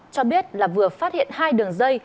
cho biết là vừa phát hiện hai đường dây